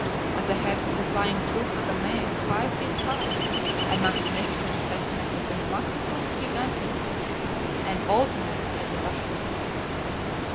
At the head of the flying troop was a male five feet high, a magnificent specimen of the macropus giganteus, an "old man," as the bushmen say.